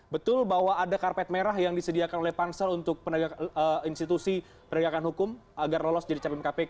betul bahwa ada karpet merah yang disediakan oleh pansel untuk institusi penegakan hukum agar lolos jadi capim kpk